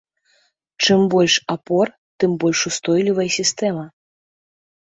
Чым больш апор, тым больш устойлівая сістэма.